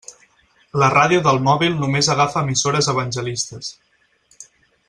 La ràdio del mòbil només agafa emissores evangelistes.